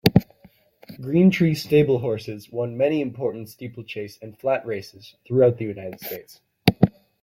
Greentree Stable horses won many important steeplechase and flat races throughout the United States.